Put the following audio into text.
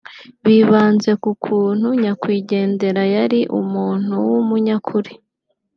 bibanze ku kuntu nyakwigendera yari umuntu w’umunyakuri